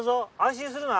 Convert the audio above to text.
心するな？